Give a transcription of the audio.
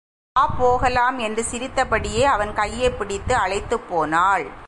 வா போகலாம் என்று சிரித்தபடியே அவன் கையைப் பிடித்து அழைத்துப் போனாள்.